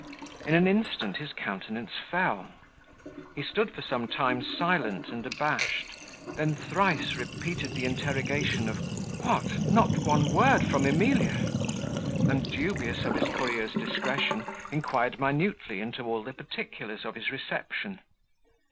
In an instant his countenance fell. He stood for some time silent and abashed, then thrice repeated the interrogation of "What! not one word from Emilia?" and dubious of his courier's discretion, inquired minutely into all the particulars of his reception.